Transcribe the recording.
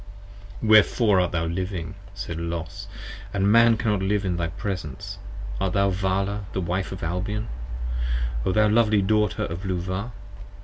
Wherefore art thou living? said Los, & Man cannot live in thy presence. Art thou Vala the Wife of Albion, O thou lovely Daughter of Luvah?